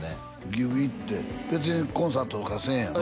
岐阜行って別にコンサートとかせえへんやろ？